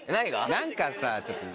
何かさちょっと。